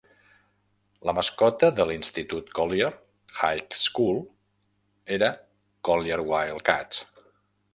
La mascota de l'institut Collyer High School era Collyer Wildcats.